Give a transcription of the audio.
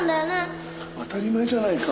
当たり前じゃないか。